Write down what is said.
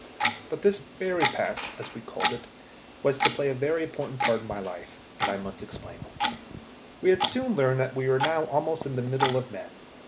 But this 'berry patch,' as we called it, was to play a very important part in my life, and I must explain. We had soon learned that we were now almost in the middle of men.